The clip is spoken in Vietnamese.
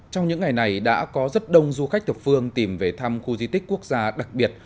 trong những ngày này đã có rất đông du khách thập phương tìm về thăm khu di tích quốc gia đặc biệt